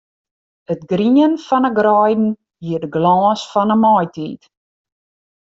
It grien fan 'e greiden hie de glâns fan 'e maitiid.